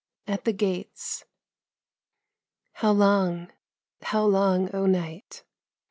AT THE GATES How long, how long, oh, night?